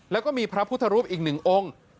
แล้วก็มีพระพุทธรูปอีกหนึ่งองค์